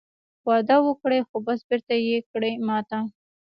وعده وکړې خو بس بېرته یې کړې ماته